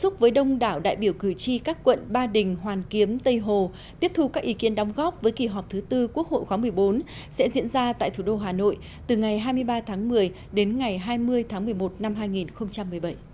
tiếp xúc với đông đảo đại biểu cử tri các quận ba đình hoàn kiếm tây hồ tiếp thu các ý kiến đóng góp với kỳ họp thứ tư quốc hội khóa một mươi bốn sẽ diễn ra tại thủ đô hà nội từ ngày hai mươi ba tháng một mươi đến ngày hai mươi tháng một mươi một năm hai nghìn một mươi bảy